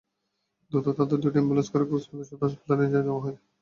দ্রুত তাঁদের দুটি অ্যাম্বুলেন্সে করে কক্সবাজার সদর হাসপাতালে নিয়ে যাওয়া হয়।